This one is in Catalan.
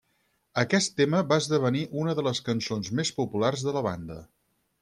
Aquest tema va esdevenir una de les cançons més popular de la banda.